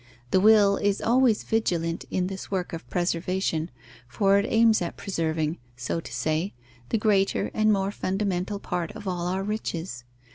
The will is always vigilant in this work of preservation, for it aims at preserving (so to say) the greater and more fundamental part of all our riches.